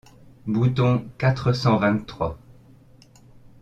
Bouton quatre cent vingt-trois